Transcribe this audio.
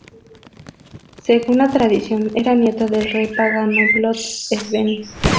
Según la tradición, era nieto del rey pagano Blot-Sven.